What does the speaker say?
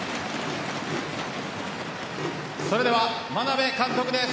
それでは、眞鍋監督です。